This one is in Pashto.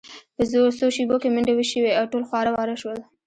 په څو شیبو کې منډې شوې او ټول خواره واره شول